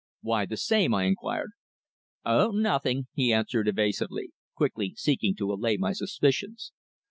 "Why the same?" I inquired. "Oh, nothing!" he answered evasively, quickly seeking to allay my suspicions.